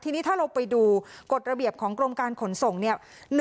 ทีนี้ถ้าเราไปดูกฎระเบียบของกรมการขนส่งเนี่ย